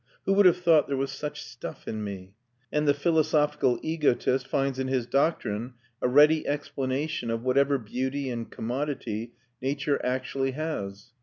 Who would have thought there was such stuff in me?" And the philosophical egotist finds in his doctrine a ready explanation of whatever beauty and commodity nature actually has.